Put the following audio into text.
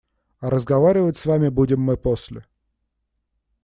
А разговаривать с вами будем мы после.